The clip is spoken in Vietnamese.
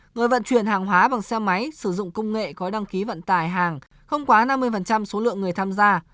người vận chuyển hàng hóa bằng xe máy sử dụng công nghệ có đăng ký vận tải hàng không quá năm mươi số lượng người tham gia